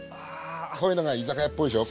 こういうのが居酒屋っぽいでしょう？